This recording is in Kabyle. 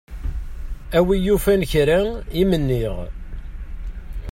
A wi yufan kra i m-nniɣ.